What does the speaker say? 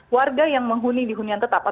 warga yang menghuni di hunian tetap